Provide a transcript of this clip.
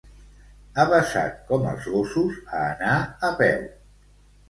Avesat, com els gossos, a anar a peu.